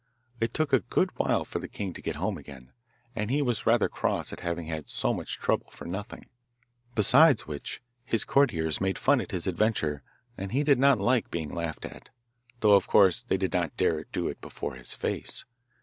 It took a good while for the king to get home again, and he was rather cross at having had so much trouble for nothing. Besides which, his courtiers made fun at his adventure, and he did not like being laughed at, though of course they did not dare to do it before his face.